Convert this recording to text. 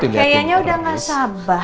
kayaknya udah nggak sabar nih